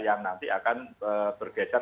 yang nanti akan bergeser